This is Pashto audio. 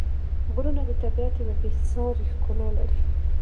غرونه د طبیعت یوه بېساري ښکلا لري.